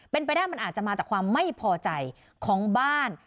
เป็นไปได้มันอาจจะมาจากความไม่พอใจของบ้าน